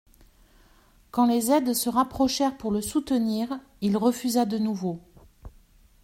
Quand les aides se rapprochèrent pour le soutenir, il refusa de nouveau.